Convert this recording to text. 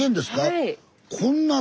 はい。